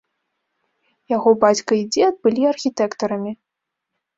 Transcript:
Яго бацька і дзед былі архітэктарамі.